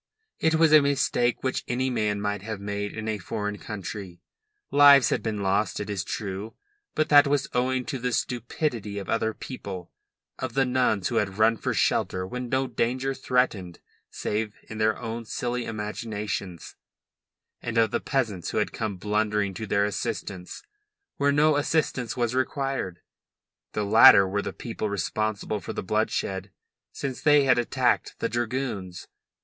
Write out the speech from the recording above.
It was a mistake which any man might have made in a foreign country. Lives had been lost, it is true; but that was owing to the stupidity of other people of the nuns who had run for shelter when no danger threatened save in their own silly imaginations, and of the peasants who had come blundering to their assistance where no assistance was required; the latter were the people responsible for the bloodshed, since they had attacked the dragoons.